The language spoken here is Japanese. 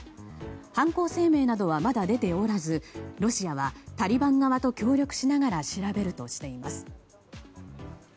犯行声明などはまだ出ておらずロシアはタリバン側と協力しながら調べるとしています。